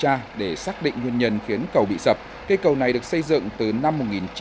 ra để xác định nguyên nhân khiến cầu bị sập cây cầu này được xây dựng từ năm một nghìn chín trăm bảy mươi